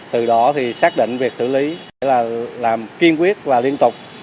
từ đó thì xác định việc xử lý sẽ là làm kiên quyết và liên tục